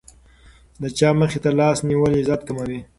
د چا مخې ته لاس نیول عزت کموي.